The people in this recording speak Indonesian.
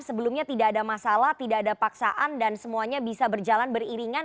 sebelumnya tidak ada masalah tidak ada paksaan dan semuanya bisa berjalan beriringan